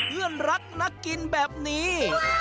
เพื่อนรักนักกินแบบนี้